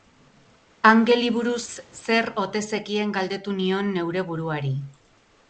Angeli buruz zer ote zekien galdetu nion neure buruari.